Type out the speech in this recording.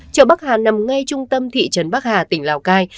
chợ bắc hà nằm ngay trung tâm thị trấn bắc hà tỉnh lào cai